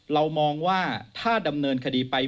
เรามองว่าถ้าดำเนินคดีไป